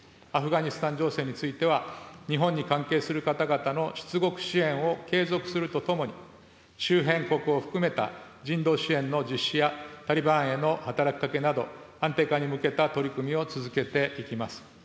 アフガニスタン情勢については、日本に関係する方々の出国支援を継続するとともに、周辺国を含めた人道支援の実施や、タリバンへの働きかけなど、安定化に向けた取り組みを続けていきます。